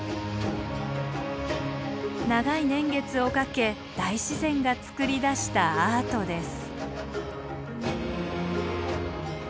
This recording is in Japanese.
長い年月をかけ大自然がつくり出したアートです。